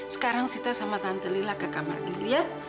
sekarang sita sama tante lila ke kamar dulu ya